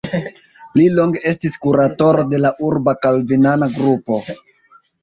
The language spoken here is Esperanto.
Li longe estis kuratoro de la urba kalvinana grupo.